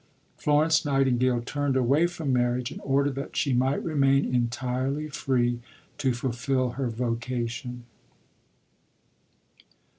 Florence Nightingale turned away from marriage in order that she might remain entirely free to fulfil her vocation.